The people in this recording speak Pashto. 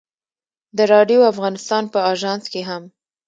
د راډیو افغانستان په اژانس کې هم.